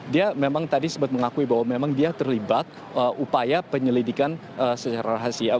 dia memang tadi sempat mengakui bahwa memang dia terlibat upaya penyelidikan secara rahasia